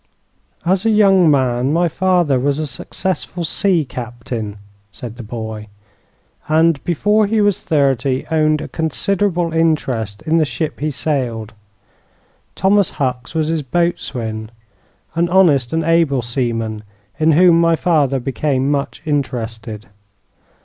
"As a young man, my father was a successful sea captain," said the boy, "and, before he was thirty, owned a considerable interest in the ship he sailed. Thomas Hucks was his boatswain, an honest and able seaman in whom my father became much interested.